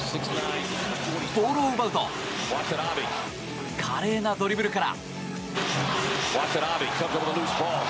ボールを奪うと華麗なドリブルから。